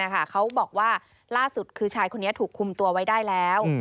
เขาบอกว่าล่าสุดคือชายคนนี้ถูกคุมตัวไว้ได้แล้ว